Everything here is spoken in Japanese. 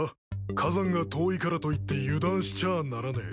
火山が遠いからといって油断しちゃあならねえ。